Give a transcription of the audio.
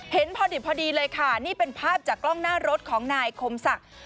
พอดีพอดีเลยค่ะนี่เป็นภาพจากกล้องหน้ารถของนายคมศักดิ์